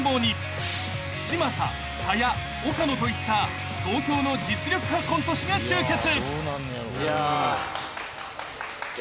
岡野といった東京の実力派コント師が集結］